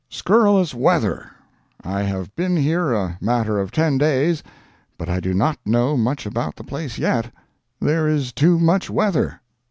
Scurrilous Weather. I have been here a matter of ten days, but I do not know much about the place yet. There is too much weather.